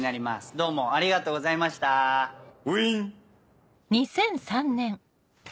どうもありがとうございました・ウィン。